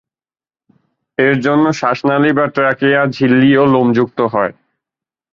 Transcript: এই জন্য শ্বাসনালী বা ট্রাকিয়া ঝিল্লি ও লোমযুক্ত হয়।